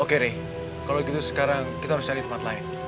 oke deh kalau gitu sekarang kita harus cari tempat lain